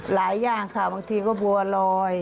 หลายอย่างค่ะบางทีก็บัวลอย